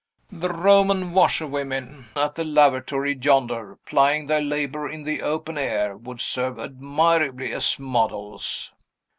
The Roman washerwomen at the lavatory yonder, plying their labor in the open air, would serve admirably as models."